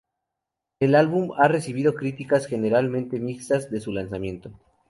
El álbum ha recibido críticas generalmente mixtas desde su lanzamiento.